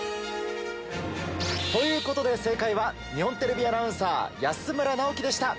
ということで正解は日本テレビアナウンサー安村直樹でした。